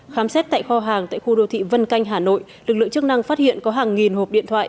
khám xét tại kho hàng tại khu đô thị vân canh hà nội lực lượng chức năng phát hiện có hàng nghìn hộp điện thoại